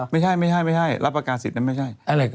ไม่ใช่รับประกาศสิทธิ์นั้นไม่ใช่